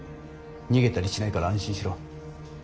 逃げたりしないから安心しろ。